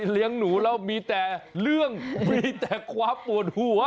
เลี้ยงหนูแล้วมีแต่เรื่องมีแต่ความปวดหัว